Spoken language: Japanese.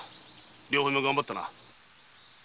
良平も頑張ったな。